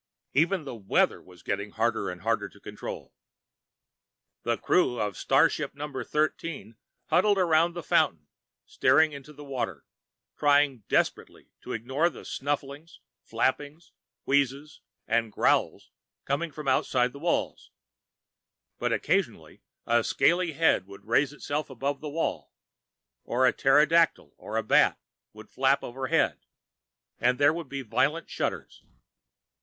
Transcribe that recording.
Even the "weather" was getting harder and harder to control. The crew of starship Number Thirteen huddled around the fountain, staring into the water, trying desperately to ignore the snufflings, flappings, wheezes and growls coming from outside the walls. But occasionally, a scaly head would raise itself above the wall, or a pterodactyl or bat would flap overhead, and there would be violent shudders.